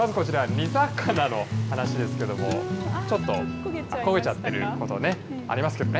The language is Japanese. まずこちら、煮魚の話ですけれども、ちょっと焦げちゃってることね、ありますけどね。